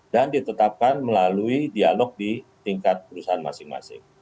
dan ditetapkan melalui dialog di tingkat perusahaan masing masing